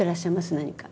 何か。